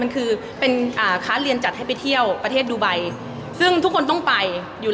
มันเกิดจากที่เราเรียนจากกับนักธุรกิจ